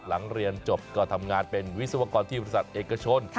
หลังเรียนจบก็ทำงานเป็นวิศวกรที่บริษัทเอกชน